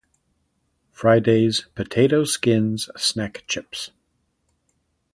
Friday's Potato Skins Snack Chips.